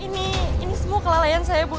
ini semua kelalaian saya bu